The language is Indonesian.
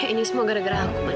ini semua gara gara aku